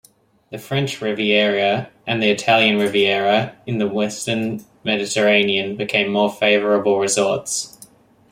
The French Riviera and Italian Riviera in the western Mediterranean became more favorable resorts.